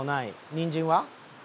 ニンジンは？